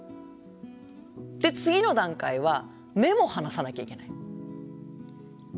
で次の段階は目も離さなきゃいけない。